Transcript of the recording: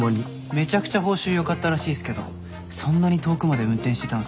めちゃくちゃ報酬良かったらしいっすけどそんなに遠くまで運転してたんすか？